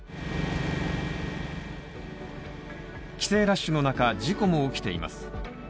帰省ラッシュの中、事故も起きています。